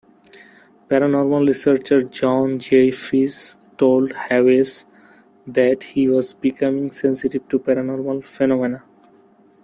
Paranormal researcher John Zaffis told Hawes that he was becoming sensitive to paranormal phenomena.